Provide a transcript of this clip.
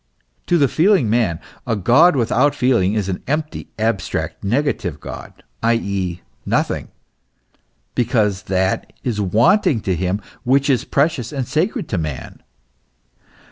To the feeling man a God without feeling is an empty, abstract, negative God, i.e., nothing ; because that is wanting to him which is precious and sacred to man.